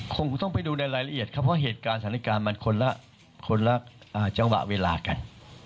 คงต้องไปดูในรายละเอียดครับเพราะเหตุการณ์สถานการณ์มันคนละคนละจังหวะเวลากัน